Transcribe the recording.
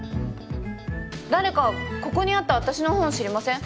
誰かここにあった私の本知りません？